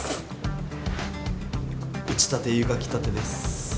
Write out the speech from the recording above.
うちたて湯がきたてです。